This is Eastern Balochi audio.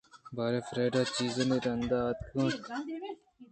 باریں فریڈا ءِ چیزانی رندءَاتکگ اِت